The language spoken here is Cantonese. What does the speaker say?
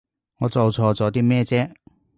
我做錯咗啲咩啫？